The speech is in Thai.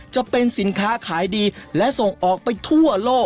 จะเป็นสินค้าขายดีและส่งออกไปทั่วโลก